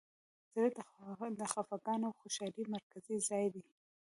زړه د خفګان او خوشحالۍ مرکزي ځای دی.